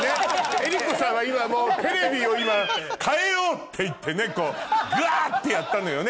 江里子さんは今テレビを変えようっていってねガってやったのよね